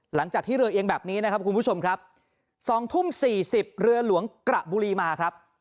หลังจากที่เรือเอียงแบบนี้นะครับคุณผู้ชมครับ๒ทุ่ม๔๐เรือหลวงกระบุรีมาครับ